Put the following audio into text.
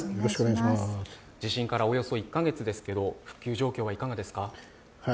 地震からおよそ１か月ですけど復旧状況はいかがですか？